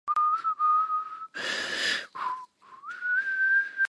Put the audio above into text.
I wanted to be an astrophysicist when I was in school.